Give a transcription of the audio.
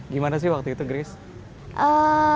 gimana sih waktu itu grace